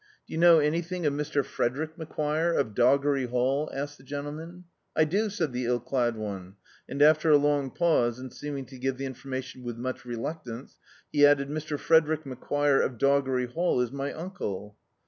"Do you know any thing of Mr. Frederick Macquire, of Doggery Hall?" asked the gentleman. "I do," said the ill clad one; and, after a long pause, and seeming to give the in formation with much reluctance, he added — "Mr. Frederick Macquire, of Doggery Hall, is my uncle."